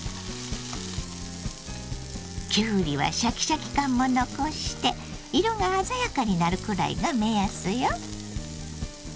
きゅうりはシャキシャキ感も残して色が鮮やかになるくらいが目安よ。